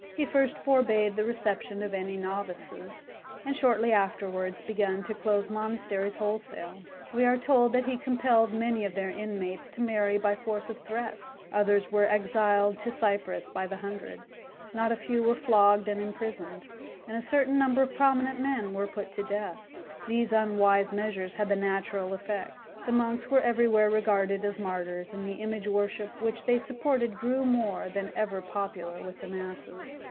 He first forbade the reception of any novices, and shortly afterwards begun to close monasteries wholesale. We are told that he compelled many of their inmates to marry by force of threats; others were exiled to Cyprus by the hundred; not a few were flogged and imprisoned, and a certain number of prominent men were put to death. These unwise measures had the natural effect: the monks were everywhere regarded as martyrs, and the image worship which they supported grew more than ever popular with the masses.